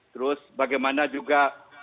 terus bagaimana juga